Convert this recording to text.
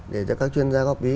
để cho các chuyên gia góp ý